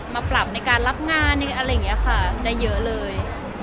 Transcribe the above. มาปรับในการรับงานอะไรอย่างนี้ค่ะได้เยอะเลย